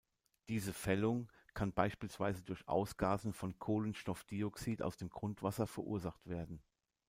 Diese Fällung kann beispielsweise durch Ausgasen von Kohlenstoffdioxid aus dem Grundwasser verursacht werden.